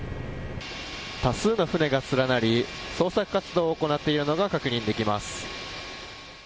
多数の船が連なり捜索活動を行っているのが確認できます。